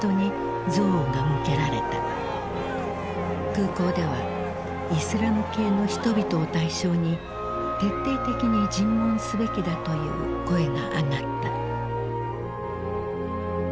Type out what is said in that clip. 空港ではイスラム系の人々を対象に徹底的に尋問すべきだという声が上がった。